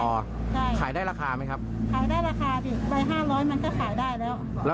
ใช่ขายได้ราคาไหมครับขายได้ราคาดิใบห้าร้อยมันก็ขายได้แล้ว